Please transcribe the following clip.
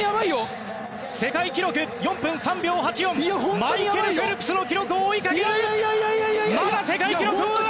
世界記録４分３秒８４マイケル・フェルプスの記録を追いかける！